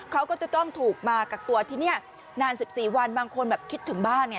เขาก็จะต้องถูกมากักตัวที่นี่นาน๑๔วันบางคนแบบคิดถึงบ้านไง